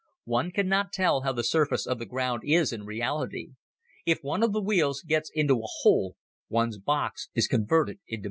One cannot tell how the surface of the ground is in reality. If one of the wheels gets into a hole one's box is converted into matchwood.